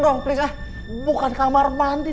dong please ah bukan kamar mandi